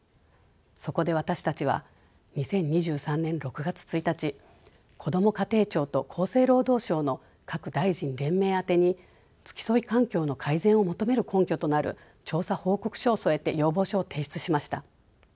そこで私たちは２０２３年６月１日こども家庭庁と厚生労働省の各大臣連名宛てに付き添い環境の改善を求める根拠となる調査報告書を添えて要望書を提出しました。